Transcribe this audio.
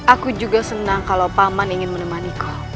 aku juga senang kalau paman ingin menemani kau